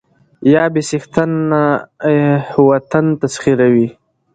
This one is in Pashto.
يا بې څښنته وطن تسخيروي